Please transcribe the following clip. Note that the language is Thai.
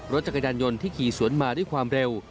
รถจักรยานยนต์ที่ขี่สวนมาด้วยความเร็ว